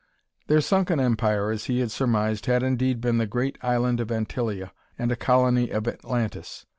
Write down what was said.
Their sunken empire, as he had surmised, had indeed been the great island of Antillia and a colony of Atlantis.